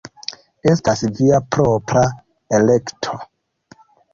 Estas via propra elekto.